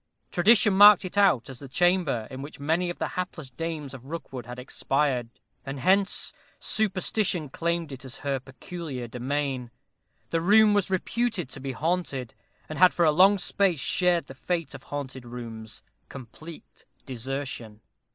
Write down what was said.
Tradition marked it out as the chamber in which many of the hapless dames of Rookwood had expired; and hence Superstition claimed it as her peculiar domain. The room was reputed to be haunted, and had for a long space shared the fate of haunted rooms complete desertion.